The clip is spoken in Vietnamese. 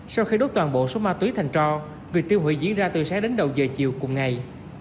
sau khi đốt toàn bộ số ma túy thành cho việc tiêu hủy diễn ra từ sáng đến đầu giờ chiều cùng ngày